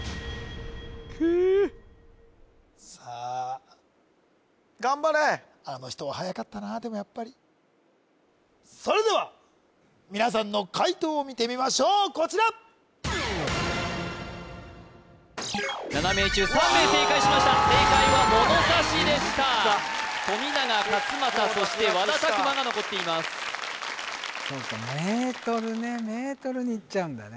くーっさあ頑張れあの人ははやかったなでもやっぱりそれでは皆さんの解答を見てみましょうこちら７名中３名正解しました正解はものさしでした富永勝間田そして和田拓馬が残っていますそうかメートルねメートルにいっちゃうんだね